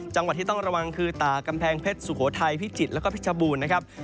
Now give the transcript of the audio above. จังหวัดที่ต้องระวังคือตากำแพงเพชรสุโขทัยพิจิตรแล้วก็พิชบูรณ์นะครับ